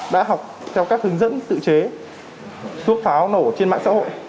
đã học theo các hướng dẫn tự chế thuốc pháo nổ trên mạng xã hội